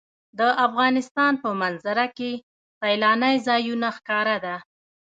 د افغانستان په منظره کې سیلانی ځایونه ښکاره ده.